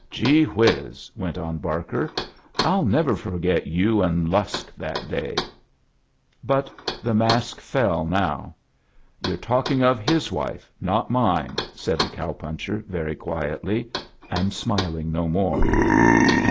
"Gee whiz!" went on Barker, "I'll never forget yoa and Lusk that day!" But the mask fell now. "You're talk ing of fiis wife, not mine," said tfie cow puncher, very quietly, and smiling no more; "and.